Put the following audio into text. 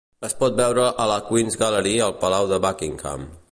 Es pot veure a la Queen's Gallery al Palau de Buckingham.